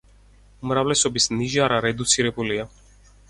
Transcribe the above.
უმრავლესობის ნიჟარა რედუცირებულია.